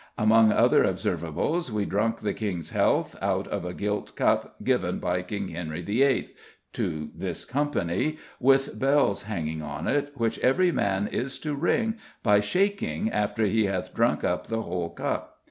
Among other observables we drunk the King's health out of a gilt cup given by King Henry VIII. to this Company, with bells hanging on it, which every man is to ring by shaking after he hath drunk up the whole cup....